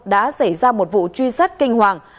đã xảy ra một vụ truy sát kinh hoàng